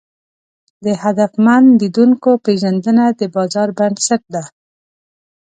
د هدفمن لیدونکو پېژندنه د بازار بنسټ ده.